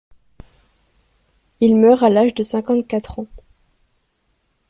Il meurt à l'âge de cinquante-quatre ans.